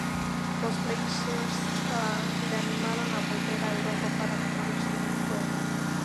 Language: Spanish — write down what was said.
Los Blazers le animaron a volver a Europa para mejorar su juego.